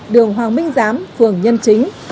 đường hoàng minh giám phường nhân chính